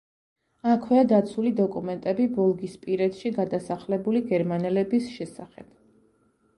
აქვეა დაცული დოკუმენტები ვოლგისპირეთში გადასახლებული გერმანელების შესახებ.